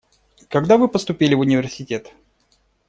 Когда вы поступили в университет?